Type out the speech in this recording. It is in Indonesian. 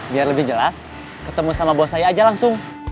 biar lebih jelas ketemu sama bos saya aja langsung